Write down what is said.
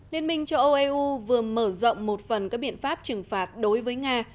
liên minh cho eu vừa mở rộng một phần các biện pháp trừng phạt đối với nga